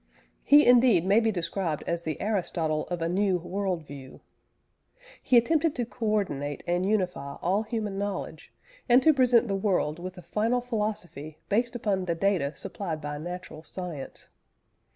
He indeed may be described as the Aristotle of a new world view. He attempted to co ordinate and unify all human knowledge, and to present the world with a final philosophy based upon the data supplied by natural science.